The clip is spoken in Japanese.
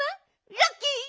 ラッキー！